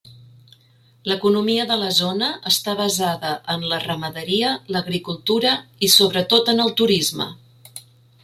L'economia de la zona està basada en la ramaderia, l'agricultura i sobretot en el turisme.